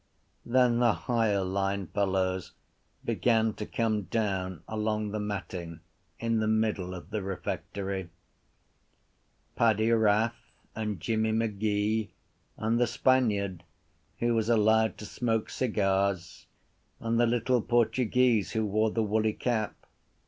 Then the higher line fellows began to come down along the matting in the middle of the refectory, Paddy Rath and Jimmy Magee and the Spaniard who was allowed to smoke cigars and the little Portuguese who wore the woolly cap.